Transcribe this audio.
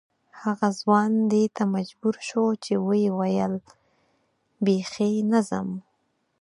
هغه ځوان دې ته مجبور شو چې ویې ویل بې خي نه ځم.